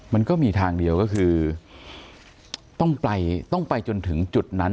มันก็มีทางเดียวก็คือต้องไปต้องไปจนถึงจุดนั้น